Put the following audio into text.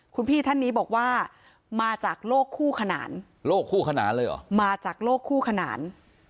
คุณพี่ท่านนี้บอกว่ามาจากโลกคู่ขนานโลกคู่ขนานเลยเหรอมาจากโลกคู่ขนาน